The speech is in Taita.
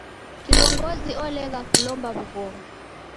Kilongozi olegha kulomba w'ughoma.